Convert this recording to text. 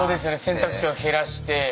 選択肢を減らして。